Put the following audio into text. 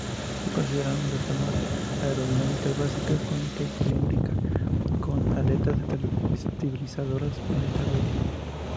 Se consideraron dos formas aerodinámicas básicas: cónica y cilíndrica, con aletas estabilizadoras esta última.